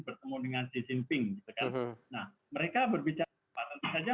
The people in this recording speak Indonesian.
bertemu dengan xi jinping nah mereka berbicara tentang nanti saja